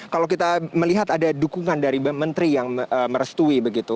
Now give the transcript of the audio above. kalau kita melihat ada dukungan dari menteri yang merestui begitu